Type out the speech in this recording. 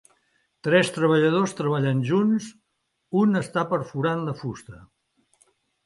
tres treballadors treballant junts, un està perforant la fusta.